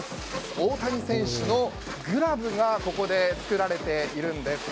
大谷選手のグラブがここで作られているんです。